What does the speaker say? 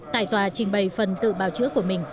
tại tòa trình bày phần tự bào chữa của mình